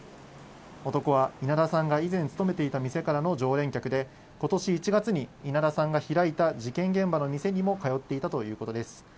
男は稲田さんが以前勤めていた店からの常連客で、ことし１月に稲田さんが開いた事件現場の店にも通っていたということです。